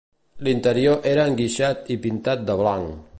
L'interior era enguixat i pintat de blanc.